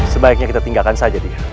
sebaiknya kita tinggalkan saja dia